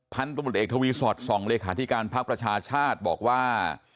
พันธุบัติเอกทวีสอร์ต๒เลขาธิการพรรคประชาชาติบอกว่า